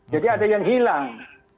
jadi ada yang hilang